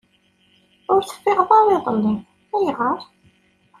Ur teffiɣeḍ ara iḍelli. Ayɣer?